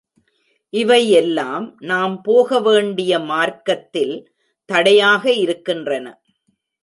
இவை எல்லாம் நாம் போக வேண்டிய மார்க்கத்தில் தடையாக இருக்கின்றன.